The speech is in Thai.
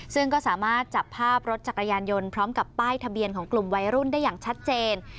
ซึ่งก็สามารถจับภาพรถจักรยานยนต์พร้อมกับป้ายทะเบียนของกลุ่มวัยรุ่นได้อย่างชัดเจน